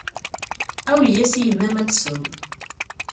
Awi-yas i yemma-m ad tsew.